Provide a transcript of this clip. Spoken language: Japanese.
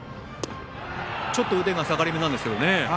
ちょっと腕が下がり気味なんですけどね。